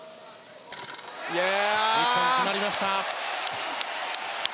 １本決まりました。